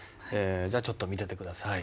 じゃあちょっと見てて下さい。